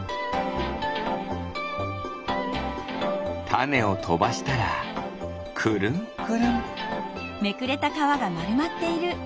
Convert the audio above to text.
たねをとばしたらくるんくるん。